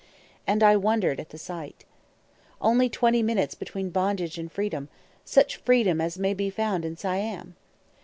And I wondered at the sight. Only twenty minutes between bondage and freedom, such freedom as may be found in Siam!